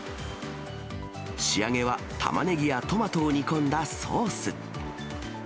仕上げはタマネギやトマトを煮込んだソース。